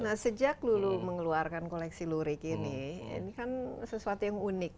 nah sejak lulu mengeluarkan koleksi lurik ini ini kan sesuatu yang unik